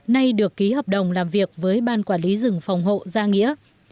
nay được ký hợp đồng làm việc với ban quản lý rừng phòng hộ gia nghĩa